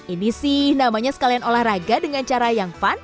ini sih namanya sekalian olahraga dengan cara yang fun